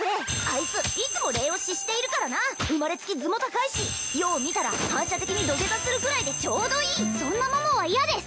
いついつも礼を失しているからな生まれつき頭も高いし余を見たら反射的に土下座するくらいでちょうどいいそんな桃は嫌です